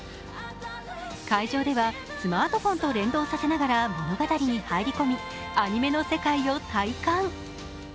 会場ではスマートフォンと連動させながら物語に入り込みアニメの世界を体感。